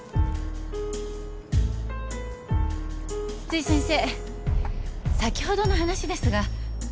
津々井先生先ほどの話ですが。